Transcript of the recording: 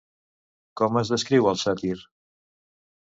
Com es descriu al sàtir?